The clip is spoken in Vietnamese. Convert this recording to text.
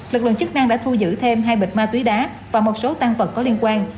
lực lượng chức năng đã thu giữ thêm hai bịch ma túy đá và một số tăng vật có liên quan